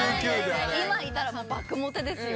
今いたら爆モテですよ。